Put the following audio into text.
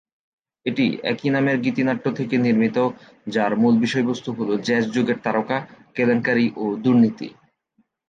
এটি একই নামের গীতিনাট্য থেকে নির্মিত, যার মূল বিষয়বস্তু হল জ্যাজ যুগে তারকা, কেলেঙ্কারি, ও দুর্নীতি।